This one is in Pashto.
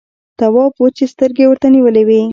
تواب وچې سترګې ورته نيولې وې.